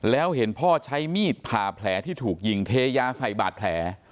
แล้วเห็นพ่อใช้มีดผ่าแผลที่ถูกยิงเทยาใส่บาดแผล